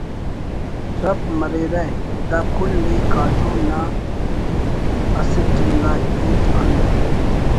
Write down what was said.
ٹرپ مریرہ“ دا کل ءِ کاٹم تا اسٹ انگا ہیت انتءِ